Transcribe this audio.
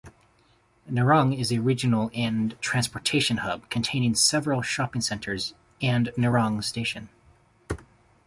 Nerang is a regional and transportation hub, containing several shopping centres and Nerang Station.